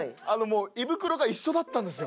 もう胃袋が一緒だったんですよ。